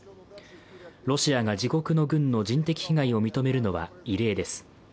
ロシアが自国の軍の人的被害を認めるのは異例です。